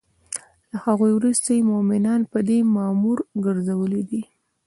له هغوی وروسته یی مومنان په دی مامور ګرځولی دی